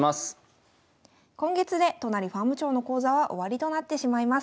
今月で都成ファーム長の講座は終わりとなってしまいます。